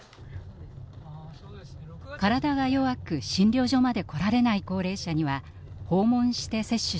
体が弱く診療所まで来られない高齢者には訪問して接種します。